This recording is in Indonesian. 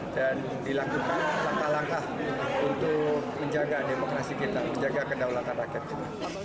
dan dilakukan langkah langkah untuk menjaga demokrasi kita menjaga kedaulatan rakyat kita